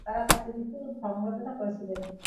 তারা তাঁকে বিপুল সম্বর্ধনা করেছিল।